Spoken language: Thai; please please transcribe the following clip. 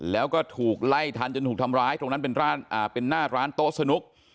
แล้วก็ถูกไล่ทันจนถูกทำร้ายตรงนั้นเป็นหน้าร้านโต๊ะสนุก